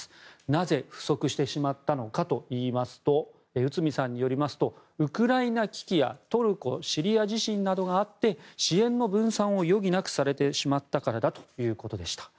なぜ不足してしまったのかといいますと内海さんによりますとウクライナ危機やトルコ・シリア地震などがあって支援の分散を余儀なくされてしまったからだということでした。